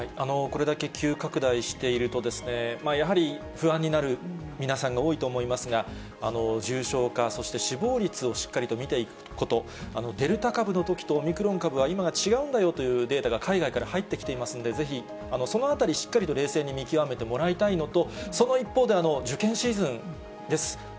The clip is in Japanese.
これだけ急拡大していると、やはり不安になる皆さんが多いと思いますが、重症化、そして死亡率をしっかりと見ていくこと、デルタ株のときとオミクロン株は今は違うんだよというデータが海外から入ってきていますので、ぜひそのあたり、しっかりと冷静に見極めてもらいたいのと、その一方で、受験シーズンです。